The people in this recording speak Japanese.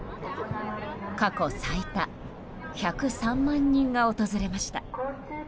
過去最多１０３万人が訪れました。